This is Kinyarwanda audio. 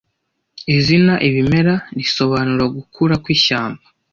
Izina ibimera risobanura gukura kwishyamba